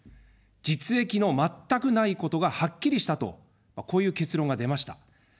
実益の全くないことがはっきりしたと、こういう結論が出ました。